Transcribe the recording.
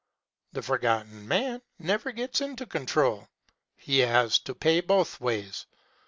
The Forgotten Man never gets into control. He has to pay both ways.